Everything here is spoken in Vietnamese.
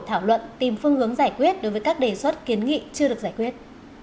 thảo luận tìm phương hướng giải quyết đối với các đề xuất kiến nghị chưa được giải quyết